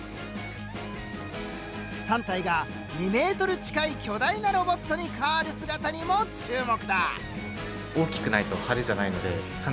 ３体が２メートル近い巨大なロボットに変わる姿にも注目だ！